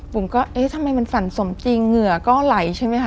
ผมก็เอ๊ะทำไมมันฝันสมจริงเหงื่อก็ไหลใช่ไหมคะ